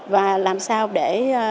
và làm sao để